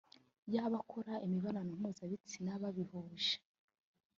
y’abakora imibonano mpuzabitsina babihuje